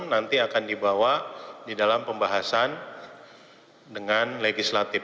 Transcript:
nanti akan dibawa di dalam pembahasan dengan legislatif